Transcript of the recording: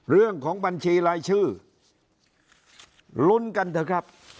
เรื่องของบัญชีลายชื่อลุ้นกันเถอะครับ